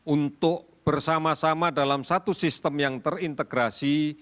untuk bersama sama dalam satu sistem yang terintegrasi